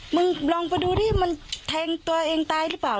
มึงลองไปดูดิมันแทงตัวเองตายหรือเปล่า